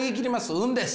運です！